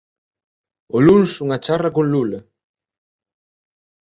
O luns, unha charla con Lula